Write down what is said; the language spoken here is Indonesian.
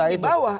masif di bawah